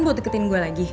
buat deketin gue lagi